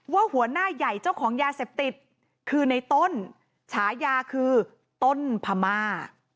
หัวหน้าใหญ่เจ้าของยาเสพติดคือในต้นฉายาคือต้นพม่า